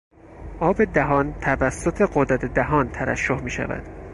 آب دهان توسط غدد دهان ترشح میشود.